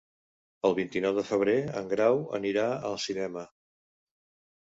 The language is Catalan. El vint-i-nou de febrer en Grau anirà al cinema.